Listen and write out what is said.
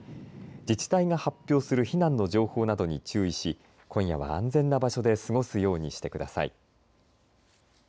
自治体が発表する避難の情報などに注意し今夜は安全な場所で過ごすようにしてください。